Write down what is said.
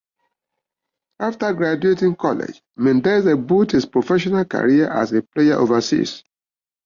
After graduating college, Mendez built his professional career has a player overseas.